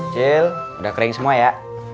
kecil udah kering semua ya